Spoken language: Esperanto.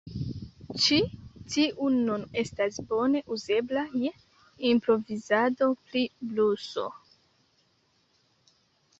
Ĉi tiu nun estas bone uzebla je improvizado pri bluso.